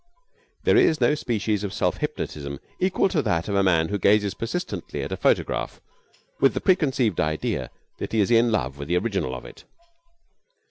But there is no species of self hypnotism equal to that of a man who gazes persistently at a photograph with the preconceived idea that he is in love with the original of it.